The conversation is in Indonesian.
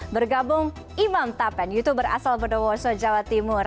bergabung imam tapen youtuber asal bodowoso jawa timur